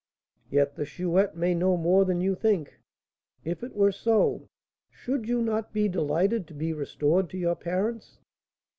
"Yet the Chouette may know more than you think. If it were so, should you not be delighted to be restored to your parents?"